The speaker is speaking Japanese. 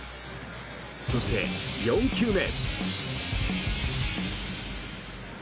そして、４球目。